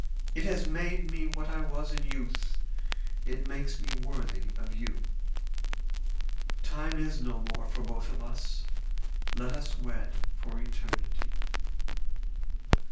It has made me what I was in youth: it makes me worthy of you. Time is no more for both of us. Let us wed for eternity."